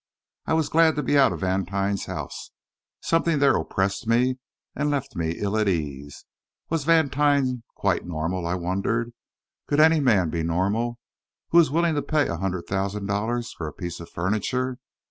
I was glad to be out of Vantine's house; something there oppressed me and left me ill at ease. Was Vantine quite normal, I wondered? Could any man be normal who was willing to pay a hundred thousand dollars for a piece of furniture?